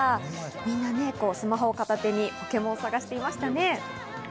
みんな、スマホを片手にポケモンを探していましたね。